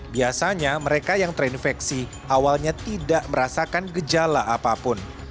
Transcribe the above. biasanya mereka yang terinfeksi awalnya tidak merasakan gejala apapun